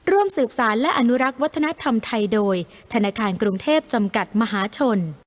ร่วมสืบสารและอนุรักษ์วัฒนธรรมไทยโดยธนาคารกรุงเทพจำกัดมหาชน